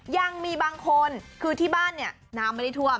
ยังมีบางคนคือที่บ้านเนี่ยน้ำไม่ได้ท่วม